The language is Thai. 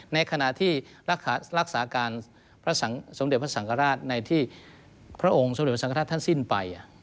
ในขณะที่รักษาการพระสมเด็จพระสังฆราชในที่พระองค์สมเด็จพระสังฆราชท่านสิ้นไป